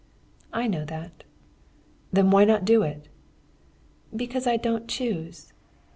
"I know that." "Then why not do it?" "Because I don't choose."